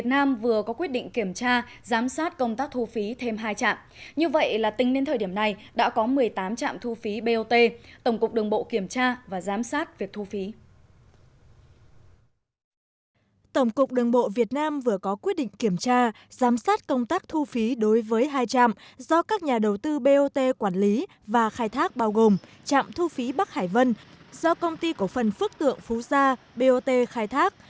trạm thu phí bắc hải vân do công ty cổ phần phước tượng phú gia bot khai thác